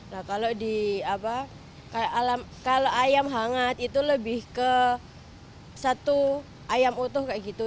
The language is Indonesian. nah kalau di apa kalau ayam hangat itu lebih ke satu ayam utuh kayak gitu